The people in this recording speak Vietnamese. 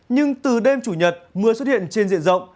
nhưng từ đêm chủ nhật mưa xuất hiện trên diện rộng